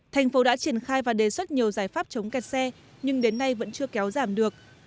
thành phố đã triển khai và đề xuất nhiều giải pháp chống kẹt xe nhưng đến nay vẫn chưa kéo giảm được